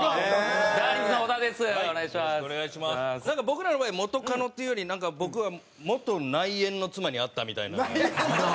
僕らの場合元カノっていうより僕は元内縁の妻に会ったみたいな。